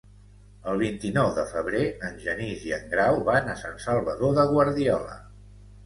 El vint-i-nou de febrer en Genís i en Grau van a Sant Salvador de Guardiola.